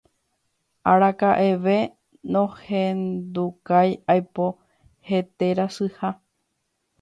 araka'eve nohendukái aipo heterasyha